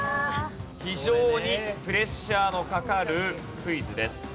非常にプレッシャーのかかるクイズです。